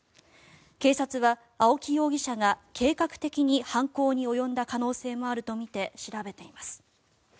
警察は、青木容疑者が計画的に犯行に及んだ可能性もあるとみて調べています。